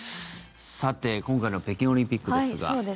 さて、今回の北京オリンピックですが。